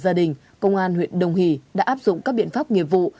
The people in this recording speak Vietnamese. gia đình công an huyện đồng hỷ đã áp dụng các biện pháp nghiệp vụ